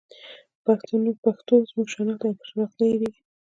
پښتو زموږ شناخت دی او شناخت دې نه هېرېږي.